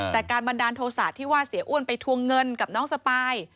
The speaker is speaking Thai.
แต่การบันดาลโทษะที่ว่าเสียอ้วนไปทวงเงินกับน้องสปาย